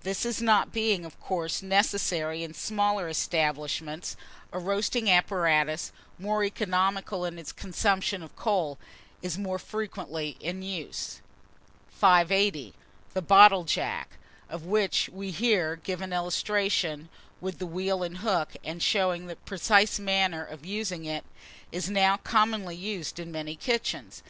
This not being, of course, necessary in smaller establishments, a roasting apparatus, more economical in its consumption of coal, is more frequently in use. [Illustration: BOTTLE JACK, WITH WHEEL AND HOOK.] 580. THE BOTTLE JACK, of which we here give an illustration, with the wheel and hook, and showing the precise manner of using it, is now commonly used in many kitchens.